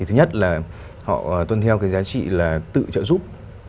thứ nhất là họ tuân theo cái giá trị là tự trợ giúp